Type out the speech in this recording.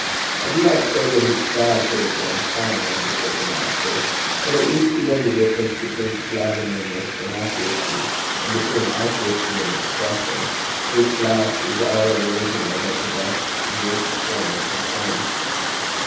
I do not say that his style could have grown fine under such a master, but at least he learned the difference between slovenliness and accuracy, and between accuracy and expression, which last is all of original that the best mere performer can claim.